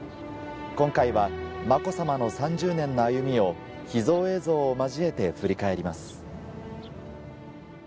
今回は子さまの３０年の歩みを秘蔵映像を交えて振り返ります。